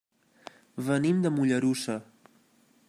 Venim de Mollerussa.